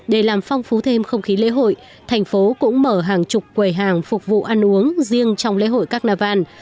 để làm phong phú thêm không khí lễ hội thành phố cũng mở hàng chục quầy hàng phục vụ ăn uống riêng trong lễ hội carnival